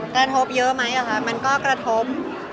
กระทบเยอะไหมคะมันก็กระทบ